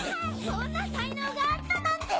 こんな才能があったなんて！